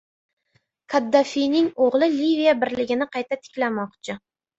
Kaddafining o‘g‘li Liviya birligini qayta tiklamoqchi